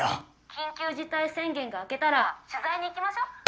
緊急事態宣言が明けたら取材に行きましょう。